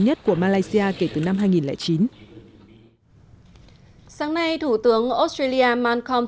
nhất của malaysia kể từ năm hai nghìn chín sáng nay thủ tướng australia malcom